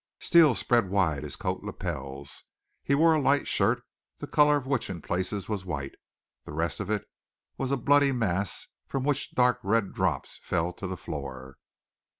Steele spread wide his coat lapels. He wore a light shirt, the color of which in places was white. The rest was all a bloody mass from which dark red drops fell to the floor.